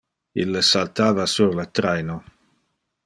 Ille saltava sur le traino.